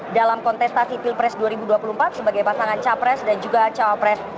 dalam kontestasi pilpres dua ribu dua puluh empat sebagai pasangan capres dan juga cawapres